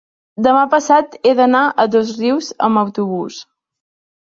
demà passat he d'anar a Dosrius amb autobús.